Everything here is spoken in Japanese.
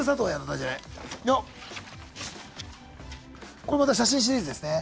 これもまた写真シリーズですね。